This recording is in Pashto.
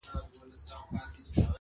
په ورور تور پوري کوې په زړه خیرنه.